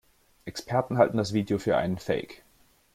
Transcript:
Experten halten das Video für einen Fake.